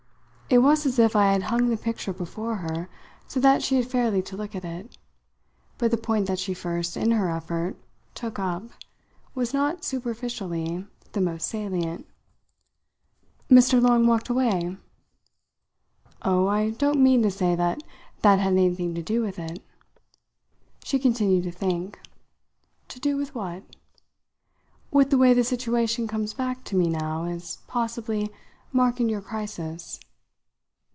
It was as if I had hung the picture before her, so that she had fairly to look at it. But the point that she first, in her effort, took up was not, superficially, the most salient. "Mr. Long walked away?" "Oh, I don't mean to say that that had anything to do with it." She continued to think. "To do with what?" "With the way the situation comes back to me now as possibly marking your crisis."